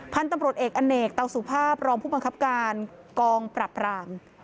พรเอกอเนกเตาสุภาพรองผู้บังคับการกองปรับราม